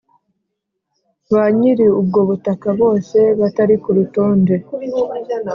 banyiri ubwo butaka bose batari ku rutonde